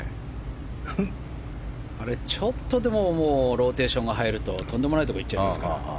あれ、ちょっとでもローテーションが入るととんでもないところにいっちゃいますから。